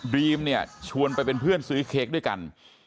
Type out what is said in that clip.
รีมเนี่ยชวนไปเป็นเพื่อนซื้อเค้กด้วยกัน